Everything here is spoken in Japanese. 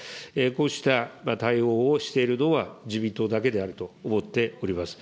こうした対応をしているのは自民党だけであると思っております。